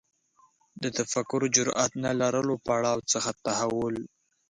د تفکر جرئت نه لرلو پړاو څخه تحول